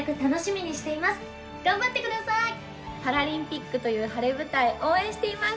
パラリンピックという晴れ舞台、応援しています。